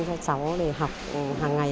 cho cháu để học hàng ngày